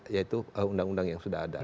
yaitu undang undang yang sudah ada